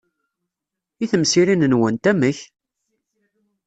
I temsirin-nwent, amek?